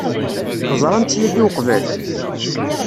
Teẓram-tt yagi uqbel?